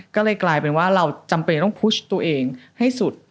ก็เลยกลายเป็นว่าเราจำเป็นต้องพุชตัวเองให้สุด